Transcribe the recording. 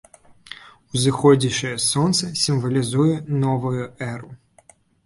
Узыходзячае сонца сімвалізуе новую эру.